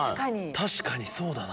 確かにそうだな。